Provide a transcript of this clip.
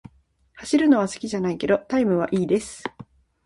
走るのは好きじゃないけど、タイムは良いです。